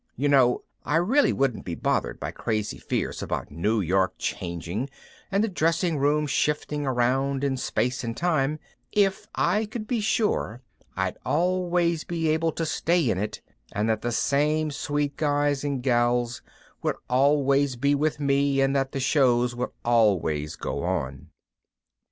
You know, I really wouldn't be bothered by crazy fears about New York changing and the dressing room shifting around in space and time, if I could be sure I'd always be able to stay in it and that the same sweet guys and gals would always be with me and that the shows would always go on.